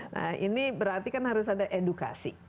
nah ini berarti kan harus ada edukasi